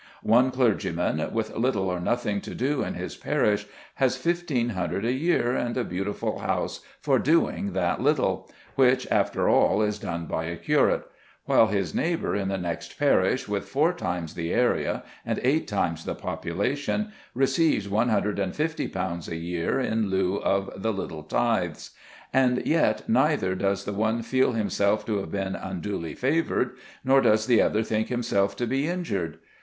One clergyman, with little or nothing to do in his parish, has fifteen hundred a year and a beautiful house for doing that little, which after all is done by a curate; while his neighbour in the next parish with four times the area and eight times the population, receives one hundred and fifty pounds a year in lieu of the little tithes! And yet neither does the one feel himself to have been unduly favoured, nor does the other think himself to be injured!